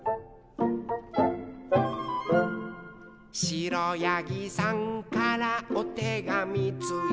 「しろやぎさんからおてがみついた」